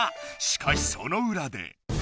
しかしそのうらで。